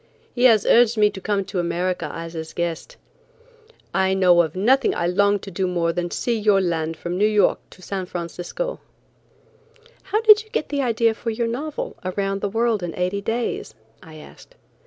He has urged me to come to America as his guest. I know of nothing that I long to do more than to see your land from New York to San Francisco." "How did you get the idea for your novel, 'Around the World in Eighty Days?'" I asked.